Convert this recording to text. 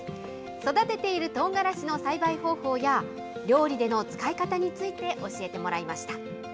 育てているとうがらしの栽培方法や、料理での使い方について教えてもらいました。